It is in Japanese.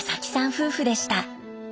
夫婦でした。